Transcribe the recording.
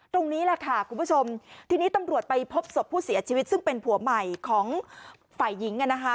ตรงนี้แหละค่ะคุณผู้ชมทีนี้ตำรวจไปพบศพผู้เสียชีวิตซึ่งเป็นผัวใหม่ของฝ่ายหญิง